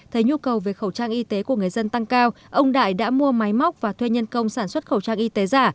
thấy nhu cầu về khẩu trang y tế của người dân tăng cao ông đại đã mua máy móc và thuê nhân công sản xuất khẩu trang y tế giả